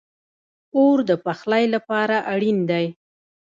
اور د پخلی لپاره اړین دی